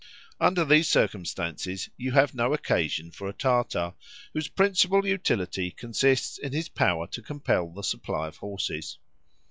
Under these circumstances you have no occasion for a Tatar (whose principal utility consists in his power to compel the supply of horses).